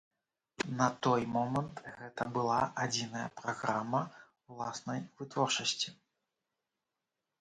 На той момант гэта была адзіная праграма ўласнай вытворчасці.